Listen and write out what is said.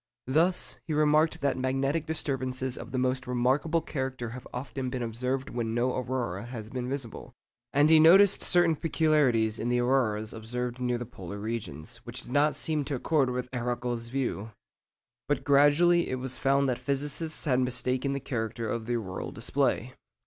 Thus, he remarked that magnetic disturbances of the most remarkable character have often been observed when no aurora has been visible; and he noticed certain peculiarities in the auroras observed near the polar regions, which did not seem to accord with Arago's view. But gradually it was found that physicists had mistaken the character of the auroral display.